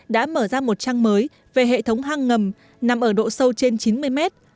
đã mở ra một trang mới về hệ thống hang ngầm nằm ở độ sâu trên chín mươi mét